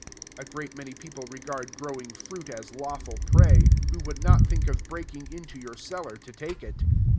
A great many people regard growing fruit as lawful prey, who would not think of breaking into your cellar to take it.